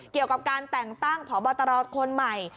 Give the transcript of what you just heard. เกี่ยวกับการแต่งตั้งพบตรคนใหม่